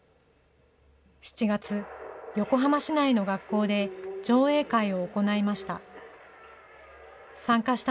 ７月、横浜市内の学校で、上映会を行いました。